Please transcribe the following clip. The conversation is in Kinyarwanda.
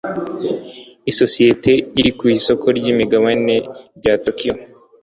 isosiyete iri ku isoko ryimigabane rya tokiyo